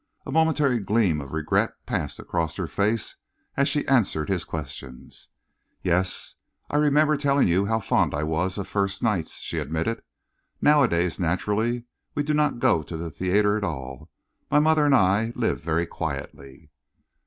A momentary gleam of regret passed across her face as she answered his questions. "Yes, I remember telling you how fond I always was of first nights," she admitted. "Nowadays, naturally, we do not go to the theatre at all. My mother and I live very quietly."